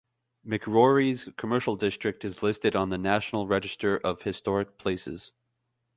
McCrory's Commercial District is listed on the National Register of Historic Places.